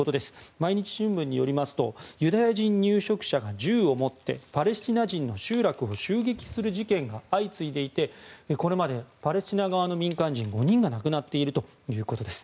毎日新聞によりますとユダヤ人入植者が銃を持ってパレスチナ人の集落を襲撃する事件が相次いでいてこれまでパレスチナ側の民間人５人が亡くなっているということです。